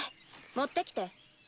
持ってきて。